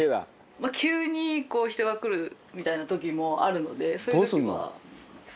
急に人が来るみたいな時もあるのでそういう時は。